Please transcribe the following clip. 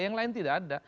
yang lain tidak ada